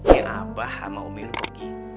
yang abah sama umi lu pergi